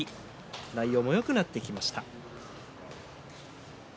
内容もよくなってきました。